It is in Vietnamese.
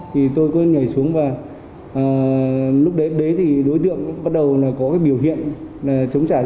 thì tôi cứ nhảy xuống và lúc đấy đối tượng bắt đầu có biểu hiện chống trả